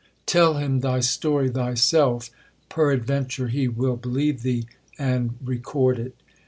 'Tell him thy story thyself, peradventure he will believe thee, and record it.'